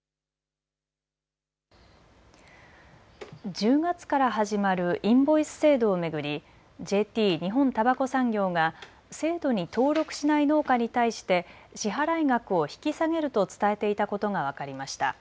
１０月から始まるインボイス制度を巡りＪＴ・日本たばこ産業が制度に登録しない農家に対して支払額を引き下げると伝えていたことが分かりました。